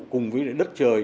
cùng với đất trời